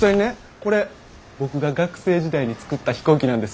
これ僕が学生時代に作った飛行機なんです。